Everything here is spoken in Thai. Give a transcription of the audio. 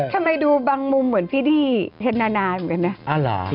ทำไมดูบางมุมเหมือนพี่ดี้เห็นนานาเหมือนกันนะ